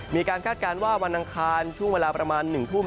มีการคาดการณ์ว่าวันอังคารช่วงเวลาประมาณหนึ่งทุ่ม